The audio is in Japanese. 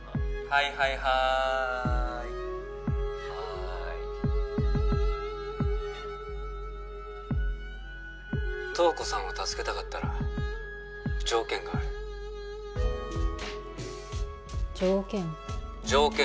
はいはいはーいはーい東子さんを助けたかったら条件がある条件？